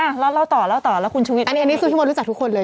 แล้วเล่าต่อเล่าต่อแล้วคุณชุวิตอันนี้อันนี้คือพี่มดรู้จักทุกคนเลย